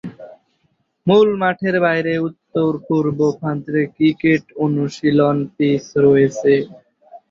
মূল মাঠের বাইরে উত্তর-পূর্ব প্রান্তে ক্রিকেট অনুশীলন পিচ রয়েছে।